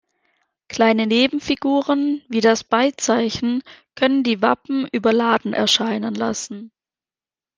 Kleine Nebenfiguren, wie das Beizeichen, können die Wappen überladen erscheinen lassen.